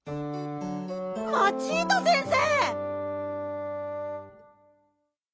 マチータ先生！